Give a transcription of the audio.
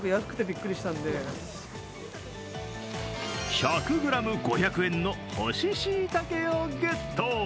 １００ｇ５００円の干ししいたけをゲット。